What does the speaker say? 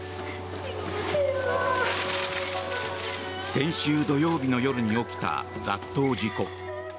先週土曜日の夜に起きた雑踏事故。